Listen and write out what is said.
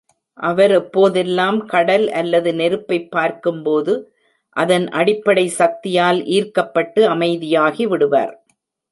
அவர் எபோதெல்லாம் கடல் அல்லது நெருப்பைப் பார்க்கும் போது, அதன் அடிப்படை சக்தியால் ஈர்க்கப்பட்டு அமைதியாகிவிடுவார்.